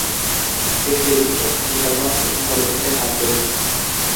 তিনি টেলিভিশন, সঙ্গীত অ্যালবাম এবং চলচ্চিত্রে কাজ করেছেন।